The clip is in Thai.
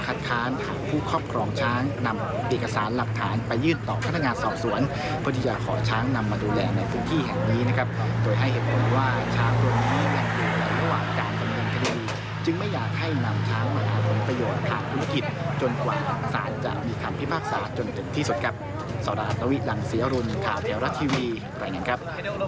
เพราะที่จะขอช้างนำมาดูแลในพื้นที่แห่งนี้นะครับโดยให้เหตุผลว่าช้างตัวนี้แห่งดูแลหลวดการสำเร็จกรียมจึงไม่อยากให้นำช้างมาทำความประโยชน์ผ่านลุกผิดจนกว่าหังษาจะมีคำพิพากษาจนจึงที่สุดครับสวัสดีครับนาวิทย์รังเสียรุ่นข่าวแถวรัดทีวีบรรยากันครับ